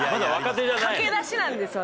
駆け出しなんですよ私。